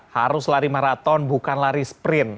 harus lari maraton bukan lari sprint